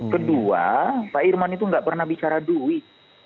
kedua pak irman itu nggak pernah bicara duit